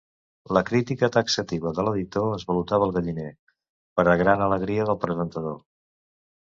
La crítica taxativa de l'editor esvalota el galliner, per a gran alegria del presentador.